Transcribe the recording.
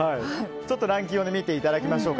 ランキングを見ていただきましょう。